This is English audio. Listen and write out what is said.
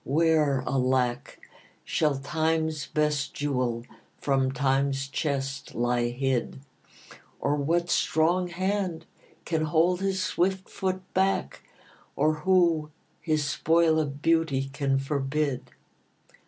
where, alack, Shall Time's best jewel from Time's chest lie hid? Or what strong hand can hold his swift foot back? Or who his spoil of beauty can forbid?